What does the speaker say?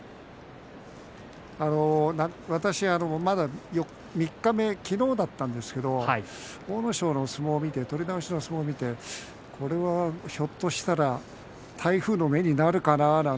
私はまだ三日目だったきのうですが阿武咲の相撲を見て取り直しの相撲を見てこれは、ひょっとしたら台風の目になるかななんて